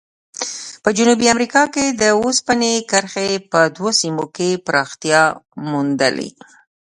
په جنوبي امریکا کې د اوسپنې کرښې په دوو سیمو کې پراختیا موندلې.